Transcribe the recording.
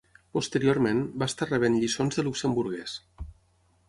Posteriorment, va estar rebent lliçons de luxemburguès.